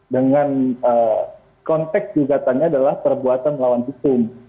dengan konteks gugatannya adalah perbuatan melawan hukum